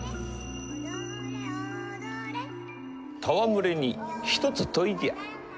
戯れに一つ問いじゃ。